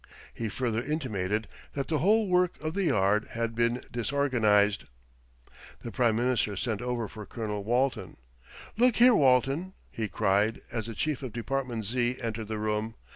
He further intimated that the whole work of the Yard had been disorganised. The Prime Minister sent over for Colonel Walton. "Look here, Walton," he cried as the chief of Department Z. entered the room.